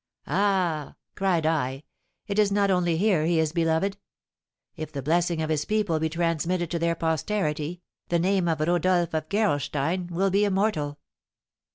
"Ah," cried I, "it is not only here he is beloved. If the blessing of his people be transmitted to their posterity, the name of Rodolph of Gerolstein will be immortal."